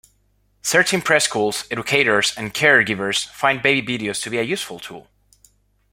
Certain preschools, educators and care givers find baby videos to be a useful tool.